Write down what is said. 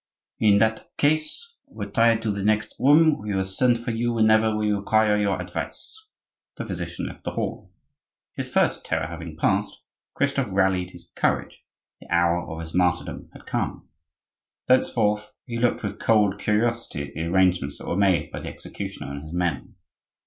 "In that case, retire to the next room; we will send for you whenever we require your advice." The physician left the hall. His first terror having passed, Christophe rallied his courage; the hour of his martyrdom had come. Thenceforth he looked with cold curiosity at the arrangements that were made by the executioner and his men.